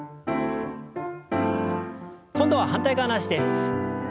今度は反対側の脚です。